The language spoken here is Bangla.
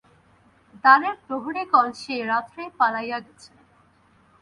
দ্বারের প্রহরিগণ সেই রাত্রেই পালাইয়া গেছে।